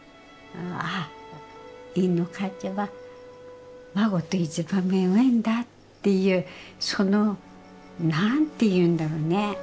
ああかっちゃはわごと一番めごいんだっていうその何ていうんだろうね。